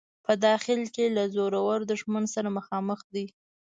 په داخل کې له زورور دښمن سره مخامخ دی.